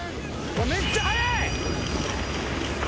めっちゃ速い。